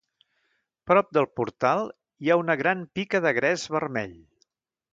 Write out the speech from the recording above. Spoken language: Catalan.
Prop del portal hi ha una gran pica de gres vermell.